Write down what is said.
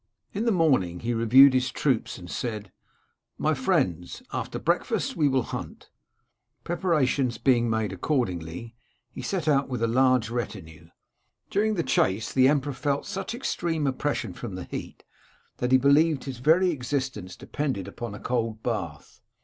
"In the morning he reviewed his troops, and said, * My friends, after breakfast we will hunt' Preparations being made accordingly, he set out with a large retinue. During the chase the emperor felt such extreme oppression from the heat, that he believed his very existence depended upon a cold bath.